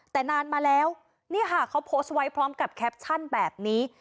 แต่นานมาแล้วนี่ค่ะเขาโพสต์ไว้พร้อมกับแคปชั่นแบบนี้